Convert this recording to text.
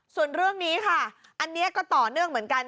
ส่วนเรื่องนี้ค่ะอันนี้ก็ต่อเนื่องเหมือนกัน